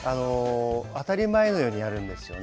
当たり前のようにやるんですよね。